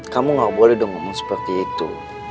kamu gak boleh dong ngomong seperti itu